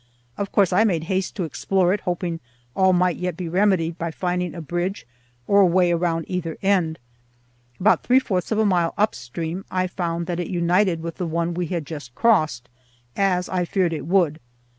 Of course I made haste to explore it, hoping all might yet be remedied by finding a bridge or a way around either end. About three fourths of a mile upstream I found that it united with the one we had just crossed, as I feared it would.